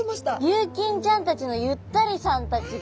琉金ちゃんたちのゆったりさんたちが。